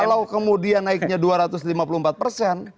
kalau kemudian naiknya dua ratus lima puluh empat persen